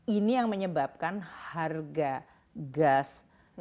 ini yang menyebabkan harga gas